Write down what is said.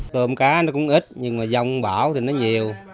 tôm cá nó cũng ít nhưng mà dòng bảo thì nó nhiều